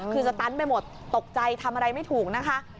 คือสตันไปหมดตกใจทำอะไรไม่ถูกนะคะ